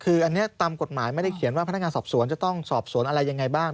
คืออันนี้ตามกฎหมายไม่ได้เขียนว่าพนักงานสอบสวนจะต้องสอบสวนอะไรยังไงบ้าง